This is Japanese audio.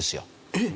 えっ！